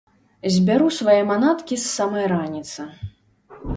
Збяру свае манаткі з самай раніцы.